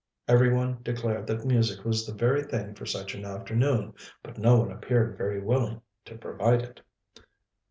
Every one declared that music was the very thing for such an afternoon, but no one appeared very willing to provide it.